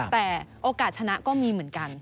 แต่โอกาสชนะก็มีเหมือนกัน